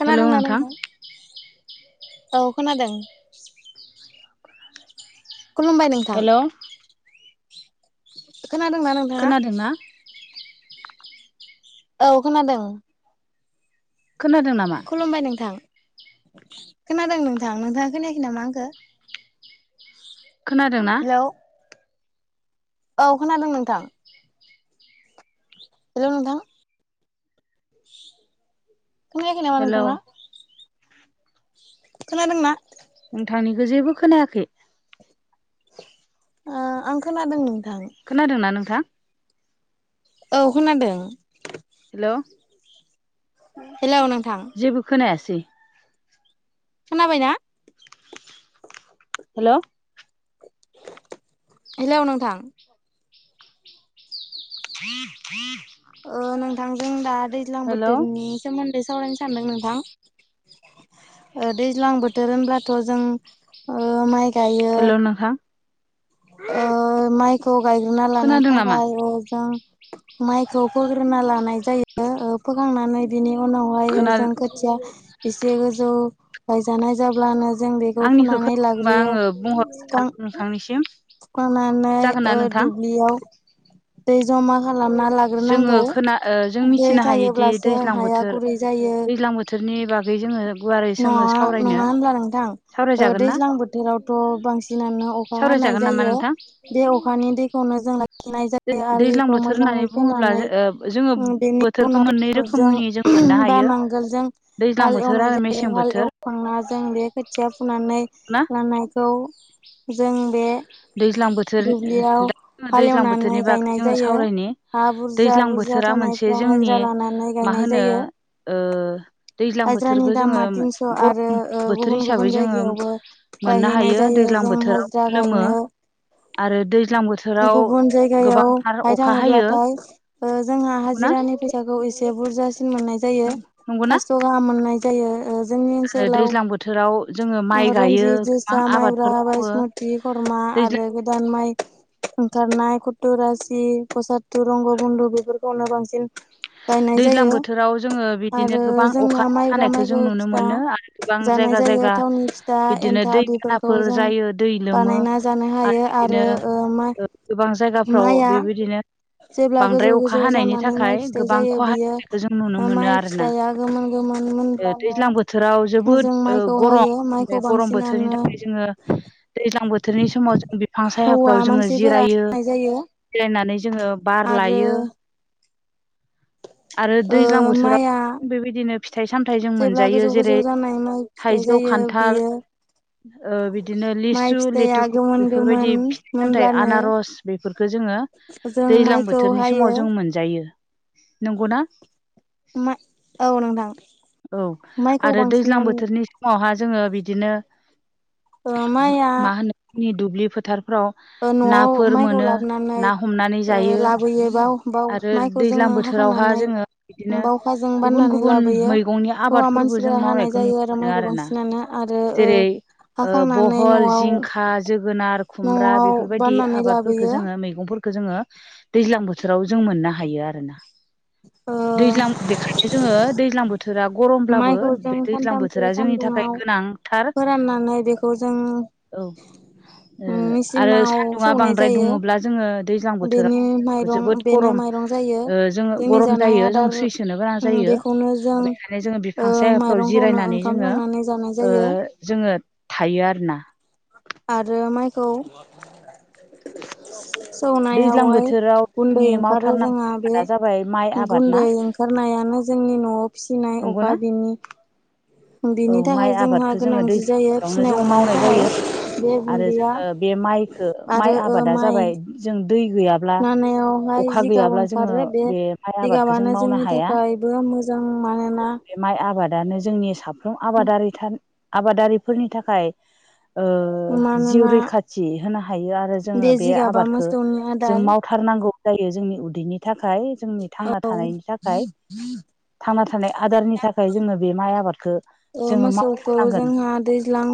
खोनादोंना नोंथां? औ खोनादों। खुलुमबाय नोंथां। खोनादों ना नों खोनादोंना? औ खोनादों। खोनादों नामा खुलुमबाय नोंथां। खोनादों नोंथां नोंथाङा खोनायाखै नामा आंखौ? खोनादों ना? हेलौ औ खोनादों नोंथां। -रो नोंथां। खोनायाखै नामा हेलौ नोंथांआ? खोनादोंना? नोंथांनिखौ जेबो खोनायाखै। ओ आं खोनादों नोंथां। खोनादों ना नोंथां? औ खोनादों। हेल'। हेलौ नोंथां। जेबो खोनायासै। खोनाबायना? हेल'। हेल' नोंथां। ह थ [unintelligible] ओ नोंथांजों दा दैज्लां हेलौ बोथोरनि सोमोन्दै सावरायनो सानदों नोंथां। ओ दैज्लां बोथोर होनब्लाथ' जों ओ माइ गायो खेल' नथा [unintelligible] ओ माइखौ गायग्रोना लानो खोनादों नामा थाखाय अ जों माइखौ फोग्रोना लानाय जायो ओ फोखांनानै बिनि उनाव आरो खोना जों खोथिया एसे गोजौयै गायजानाय जाब्लानो जों बेखौ आंनिखौ फुनानै लाग्रोयो [unintelligible] -फांनिसिम -नानै दुब्लियाव दै जमा खालामना जोङो लाग्रोनांगौ खोना ओ जों दै मिथिनो हायोदि थायोब्लासो दैज्लां हाया बोथोर गुरै जायो। दैज्लां बोथोरनि बागै जोङो गुवारै जोङो नङा सावरायनो नङा होनब्ला नोंथां? ओ सावरायजागोन ना दैज्लां बोथोरावथ' बांसिनानो अखा हानाय सावरायजागोन नामा जायो। नोंथां बे अखानि दैखौनो जों ला खिनाय जायो दैज्लां आलिखौ बोथोर मोजाङै होननानै बुङोब्ला खोनानै ओ जोङो उम बेनि बोथोरखौ उनाव मोननै [unintelligible] जों रोखोमनि मोननो बा हायो नांगोलजों दैज्लां हाल बोथोर एवनाय आरो जायो मेसें हाल बोथोर एव खांना जों बे खोथिया फुनानै ना लानायखौ जों बे दैज्लां बोथोर दुब्लियाव दा दैज्लां बोथोरनि हालेवनानै बागै गायनाय जोङो जायो सावरायनि। हा बुरजा दैज्लां बुरजा बोथोरा मोनसे थानायफ्रा जोंनि हाजिरा लानानै मा गायनाय होनो जायो ओ दैज्लां हाजिरानि बोथोरबो जोङो दामा तिनस' आरो गरम ओ बोथोर गुबुन गुबुन हिसाबै जोङो जायगायावबो मोननो गायहैनाय हायो जायो दैज्लां जों बोथोराव हाजिरा गोलोमो गायनो आरो दैज्लांबोथो गुबुन जायगायावहाय हायो थाङोब्लाथाय ओ जोंहा नंगौना हाजिरानि फै साखौ एसे बुरजासिन मोननाय जायो नंगौना फास्सगाहाम मोननाय जायो ओ जोंनि आरो दैज्लां बोथोराव जोङो माइ ओनसोलाव गायो रन्जित गोबां जोसा माइब्रा आबादफोर मावो बायसमु [unintelligible] खुरमा दैज्लां आरो गोदान माइ ओंखारनाय कथ रासि फसादतु रंग बन्धु बेफोरखौनो बांसिन गायनाय दैज्लां जायो बोथोराव जोङो बिदिनो आरो गोबां अखा जोंना माइब्रा हानायखौ जों माइखौ नुनो फिथा मोनो आरो गोबां जानाय जायगा जायो जायगा थावनि फिथा बिदिनो एन्था दै बेफोरखौ बानाफोर जों जायो दै लोमो बानायना जानो हायो आरो ओ मा जायगाफ्राव बेबायदिनो जेब्ला बांद्राय गोजौ अखा गोजौ हानायनि जानानै माइ थाखाय फिथाइ गोबां जायो [unintelligible] बियो हानायखौ जों नुनो मोनो माइ आरोना फिथाइया गोमोन गोमोन ओ मोनब्लानो दैज्लां बोथोराव जोबोद जों ओ माइखौ गरम हायो बे माइखौ गरम बोथोरनि बांसिनानो थाखाय जोङो दैज्लां बोथोरनि समाव जों बि फां हौवा सायाफ्राव जोङो मानसिफोरा जिरायो हानाय जायो जिरायनानै जोङो बार आरो लायो। आरो ओ दैज्लां माइआ बोथोराव बेबायदिनो फिथाइ सामथाइ जों जेब्ला मोनजायो गोजौ जेरै गोजौ जानाय माइ फिथाइ थाइजौ जायो खान्थाल बियो ओ बिदिनो माइ लिसु फिथाइया लेथुखु गोमोन बेफोरबायदि गोमोन फिथाइ सामथाइ मोनब्लानो आनारस बेफोरफोरखौ जोङो जों दैज्लां माइखौ बोथोरनि हायो समाव जों मोनजायो। नंगौ ना? मा औ नोंथां औ माइखौ आरो दैज्लां बांसिनानो बोथोरनि फुंवाहा जोङो बिदिनो ओ माइआ मा होनो जोंनि दुब्लि फोथारफ्राव ओ नआव नाफोर माइखौ मोनो लाबोनानै ना हमनानै ओ जायो लाबोयो बाव बाव आरो माइखौ दैज्लां जोङो हा बोथोरावहा खांनानै जोङो बिदिनो बावखाजों गुबुन बाननानै गुबुन लाबोयो मैगंनि हौवा आबादफोरबो जों मानसिफोरा हानाय मावनायखौ नुनो जायो आरो मोनो माइखौ आरोना बांसिन नाना आरो ओ जेरै ओ हाखांनानै बहल न'आव जिंखा जोगोनार खुमब्रा न'आव बेफोरबायदि बाननानै आबादफोरखौ लाबोयो जोङो मैगं मैगंफोरखो जोङो दैज्लां बोथोराव जों मोननो हायो आरो ना। ओ दैज्लां बेखायनो जोङो दैज्लां बोथोरा गरमब्लाबो माइखौ जों बे दैज्लां सानथामसो बोथोरा जोंनि थाखाय सानदुङाव गोनां। फोराननानै बेखौ जों औ। ओ आरो मेचिनाव सान्दुङा सौनाय बांद्राय जायो दुङोब्ला जोङो दैज्लां बेनि बोथोराव माइरं जोबोद बेनो गरम माइरं जायो ओ जोङो जोंनि गरम जानाय जायो जों आदार सैसोनो गोनां उम जायो बेखौनो जों बेखायनो जोङो ओ बिफां सायाफ्राव माइरंखौनो ओंखाम संनानै जानाय जायो। जोंङो थायो आरोना। आरो माइखौ दैज्लां सौनायवाय बोथोराव गुन्दै जोंनि ओंखारो मावथारनांगौ जोंहा बे आबादा जाबाय माइ आबाद ना गुन्दै ओ गारनायानो जोंनि न'आव फिसिनाय अखा नंगौना बिनि औ बिनि माइ थाखाय जोंहा आबादखौ जोङो गोनांथि दैज्लां जायो बोथोरावनो फिसिनाय जोङो अमानि मावनाय थाखाय जायो। बे आरो गुन्दैया जोङो बे माइखो माइ आरो ओ आबादा माइ जाबाय जों दै गैया नानायावहाय जिगाब ओंखारो बे माइ आबादखौ जों जिगाबानो मावनो जोंनि हाया थाखाय बो मोजां मानोना बे माइ आबादानो जोंनि साफ्रोम आबादारिथा आबादारिफोरनि थाखाय ओ जिउ मानोना रैखाथि होनो हायो आरो जोङो बे जिगाबा आबादखो मोसौनि जों आदार माव थारनांगौ जायो जोंनि उदैनि थाखाय जोंनि थांना औ थानायनि थाखाय [inaudible] थांना थानाय आदारनि थाखाय जोङो बे माइ आबादखो ओ मोसौखौ जोंहा दैज्लां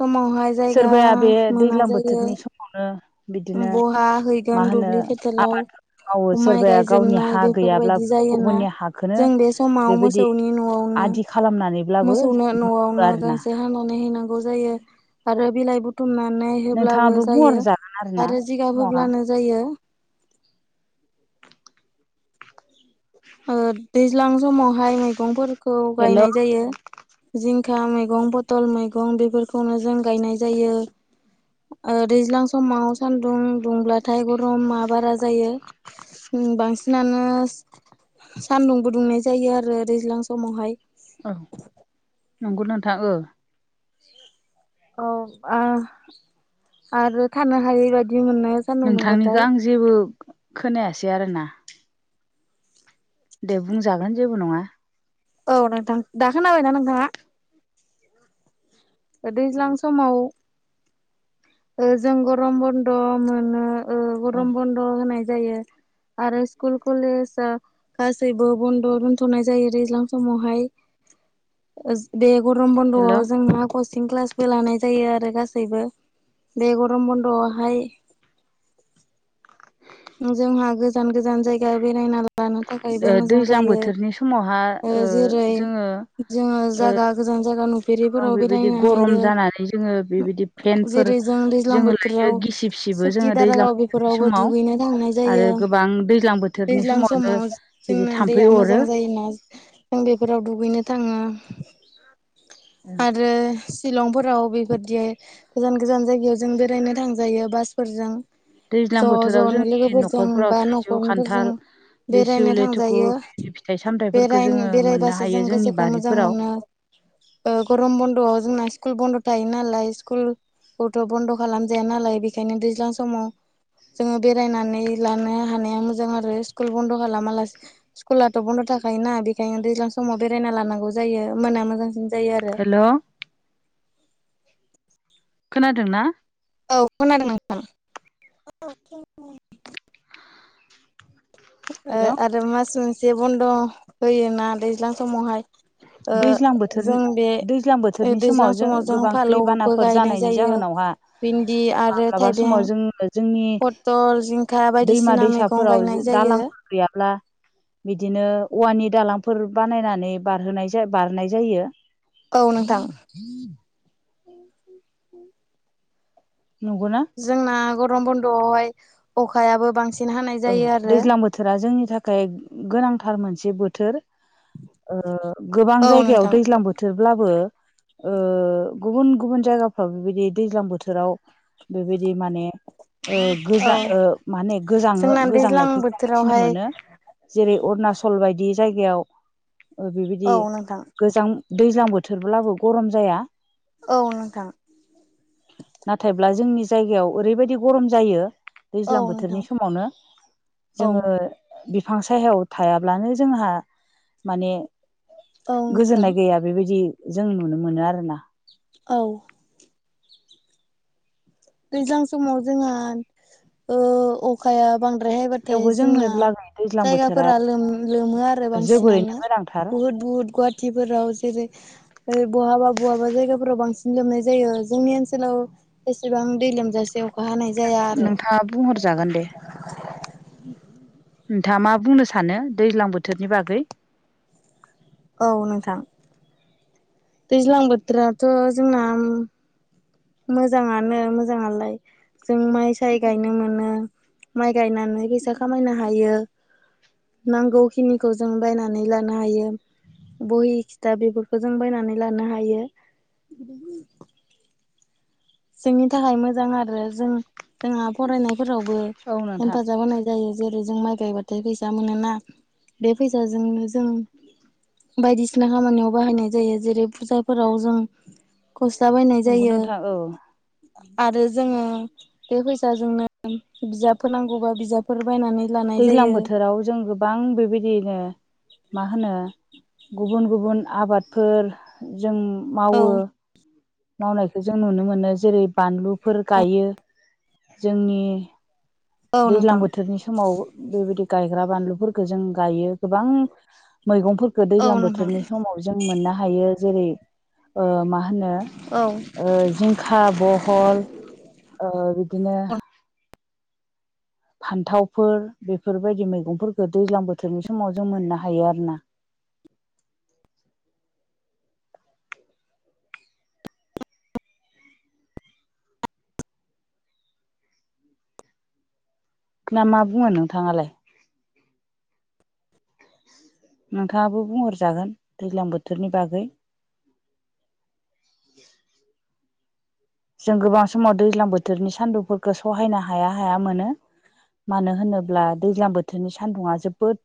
समावहाय जायगा सोरबाया बे मोना दैज्लां जायो [unintelligible] बिदिनो बहा मा हैगोन होनो दुब्लि फोथाराव आबादफोर मावो माइ सोरबाया गावनि गायजोबनाय हा बेफोरबायदि गैयाब्लाबो जायोना गुबुननि हाखोनो जों बे समाव बेबायदि मोसौनि न'आवनो आदि खालामनानै मोसौनो नआवनो गांसे हानानै होनांगौ जायो आरो बिलाइ बुथुमनानै होब्लाबो नोंथाङाबो बुंहर जायो जागोन आरोना आरो जिगाब समावहा होब्लानो जायो ओ दैज्लां समावहाय मैगंफोरखौ हेल' गायनाय जायो जिंखा मैगं पथल मैगं बेफोरखौनो जों गायनाय जायो ओ दैज्लां समाव सानदुं दुंब्लाथाय गरममा बारा जायो उ बांसिनानो सान्दुंबो दुंनाय जायो आरो दैज्लां समावहाय ओ नंगौ नोंथां ओ औ आं आरो थानो हायै बायदि मोननाय नोंथांनिखौ आं जेबो खोनायासै आरोना दे बुंजागोन जेबो नंङा औ नोंथां दा खोनाबायना नोंथांङा दैज्लां समाव ओ जों गरम बन्द मोनो ओ गरम बन्द होनाय जायो आरो स्कुल कलेजा गासैबो बन्द' दोनथ'नाय जायो दैज्लां समावहाय बे गरम हेल' बन्द'आव जोंना खस चि क्लासबो लानाय जायो आरो गासैबो बे गरम बन्द'आवहाय जोंहा गोजान गोजान जायगा बेरायना लानो थाखायबो मोजां दैज्लां जायो बोथोरनि समावहा ओ जेरै जोङो जोंङो ओ जागा गोजान जागा नु गोबां फेरिफोराव बेबायदि बेरायनो गरम हायो जानानै जोङो बेबायदि फेनफोर जेरै जों दैज्लां जोङो लायो बोथोराव गिसिब सिबो सुखि जोङो दैज्लां दारागाव बोथोरनि बेफोराव बो समाव दुगैनो लांनाय आरो जायो गोबां दैज्लां बोथोरनि दैज्लां समावनो समाव बिदि जोंना थाम्फै दैया अरो मोजां जायोना जों बेफोराव दुगैनो थांङो आरो शिलंफोराव बेबायदियै गोजान गोजान जायगायाव जों बेरायनो थांजायो बासफोरजों दैज्लां ज' बोथोराव ज'नो जों [unintelligible] लोगोफोरजों न'खरफोराव बा थाइजौ न'खरनिफोरजों खान्थाल लिसु बेरायनो लेथुखु थांजायो फिथाइ सामथाइफोरखौ बेराय जोंङो मोननो बेरायबासो जों हायो जोंनि गोसोखौ मोजां बारिफोराव मोनो ओ गरम बन्द'आव जोंना स्कुल बन्द' थायो नालाय स्कुल खौथ' बन्द' खालामजाया नालाय बेखायनो दैज्लां समाव जोंङो बेरायनानै लानो हानाया मोजां आरो स्कुल बन्द' खालामालासे स्कुलाथ' बन्द' थाखायायोना बेखायनो दैज्लां समाव बेरायना लानांगौ जायो ओमबाना मोजांसिन जायो आरो हेलौ खोनादों ना औ खोनादों नोंथां ओ हेल' आरो मास मोनसे बन्द' होयोना दैज्लां समावहाय ओ दैज्लां बोथोर जों बे दैज्लां बोथोरनि दैज्लां समाव जों गोबां फालौबो दैबानाफोर गायनाय जानायनि जायो जाहोनावहा भिन्दि आरो माब्लाबा थाइबें समाव जोङो जोंनि पथल जिंखा दैमा बायदिसिना मैगं दैसाफोराव गायनाय जायो दालांफोर गैयाब्ला बिदिनो औवानि दालांफोर बानायनानै बारहोनाय बारनाय जायो औ नोंथां नंगौना जोंना गरम बन्द'आवहाय अखायाबो बांसिन हानाय औ जायो आरो दैज्लां बोथोरा जोंनि थाखाय गोनांथार मोनसे बोथोर गोबां औ जायगायाव नोंथां दैज्लां बोथोरब्लाबो ओ गुबुन गुबुन जायगाफ्राव बेबायदि दैज्लां बोथोराव बेबायदि माने गोजा माने गोजांङो जोंना दैज्लां गोजांनायखौ मिथिनो बोथोरावहाय मोनो जेरै अरुनाचल बायदि जायगायाव बेबायदि औ नोंथां गोजां दैज्लां बोथोरब्लाबो गरम जाया औ नोंथां! नाथायब्ला जोंनि जायगायाव ओरैबायदि गरम जायो औ दैज्लां नोंथां बोथोरनि समावनो। औ जोङो बिफां सायायाव थायाब्लानो जोंहा माने औ नोंथां गोजोननाय गैया बेबायदि जों नुनो मोनो आरोना। औ! दैज्लां समाव जोंहा ओ अखाया बां बायहायबाथाय थेवबो जोंनो जोंना लागै दैज्लां बोथोरा जायगाफोरा लोमो आरो जोबोरैनो बांसिनानो गोनांथार बुहुद बुहुद गुवाहाटिफोराव जेरै बहाबा बहाबा जायगाफोराव बांसिन लोमनाय जायो जोंनि ओनसोलाव एसेबां दै लोमजासे अखा हानाय जाया आरो नोंथाङा बुंहरजागोन दे। नोंथाङा मा बुंनो सानो दैज्लां बोथोरनि बागै। औ नोंथां! दैज्लां बोथोराथ' जोंना मोजाङानो मोजाङालाय। जों माइ साय गायनो मोनो माइ गायनानै फैसा खामायनो हायो। नांगौखिनिखौ जों बायनानै लानो हायो। बहि खिथा बेफोरखौ जों बायनानै लानो हायो। जोंनि थाखाय मोजां आरो जों जोंहा फरायनायफोरावबो औ नोंथां हेफाजाब होनाय जायो जेरै जों माइ गायबाथाय फैसा मोनोना बे फैसाजोंनो जों बायदिसिना खामानियाव बाहायनाय जायो जेरै फुजाफोराव जों गस्ला बायनाय नंगौ जायो। नोंथां औ! आरो जोङो बे फैसाजोंनो बिजाबफोर नांगौबा बिजाबफोर बायनानै लानाय दैज्लां जायो बोथोराव जों गोबां बेबायदिनो मा होनो गुबुन गुबुन आबादफोर जों औ मावो। मावनायखौ जों नुनो मोनो जेरै बानलुफोर गायो जोंनि औ दैज्लां नोंथां बोथोरनि समाव बेबायदि गायग्रा बानलुफोरखौ जों गायो गोबां मैगंफोर औ दैज्लां नोंथां बोथोरनि समाव जों मोननो हायो जेरै मा होनो औ! जिंखा बहल बिदिनो फान्थावफोर बेफोरबायदि मैगंफोरखौ दैज्लां बोथोरनि समाव जों मोननो हायो आरो ना ना मा बुङो नोंथाङालाय। नोंथाङाबो बुंहरजागोन दैज्लां बोथोरनि बागै। जों गोबां समाव दैज्लां बोथोरनि सान्दुंफोरखौ सहायनो हाया हाया मोनो। मानो होनोब्ला दैज्लां बोथोरनि सान्दुंङा जोबोद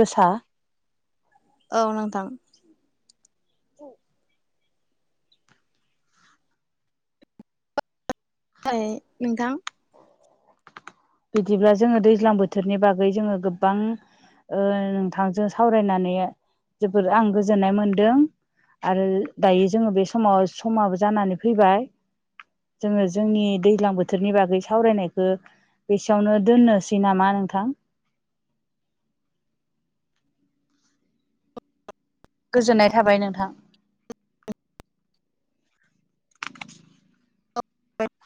गोसा। औ नोंथां! [unintelligible] नोंथां बिदिब्ला जोङो दैज्लां बोथोरनि बागै जोङो गोबां नोंथांजों सावरायनानै जोबद आं गोजोननाय मोनदों। आरो दायो जोङो बे समाव समाबो जानानै फैबाय। जोङो जोंनि दैज्लां बोथोरनि बागै सावरायनायखौ एसेयावनो दोननोसै नामा नोंथां। गोजोननाय थाबाय नोंथां। औ!